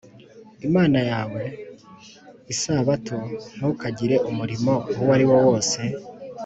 Imana yawe isabato c Ntukagire umurimo uwo ari wo wose